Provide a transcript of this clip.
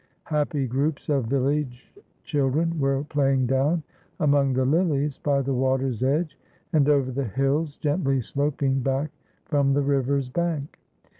Happy groups of village children were playing down among the lilies by the water's edge, and over the hills gently sloping back from the river's bank.